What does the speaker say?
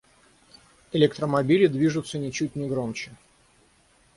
Электромобили движутся ничуть не громче.